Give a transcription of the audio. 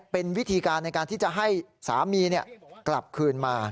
เป็นวิธีการในการที่จะให้สามีกลับคืนมา